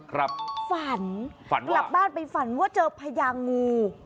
กลับบ้านไปฝันว่าเจอพญางู